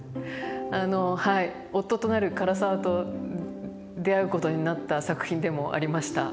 あのはい夫となる唐沢と出会うことになった作品でもありました。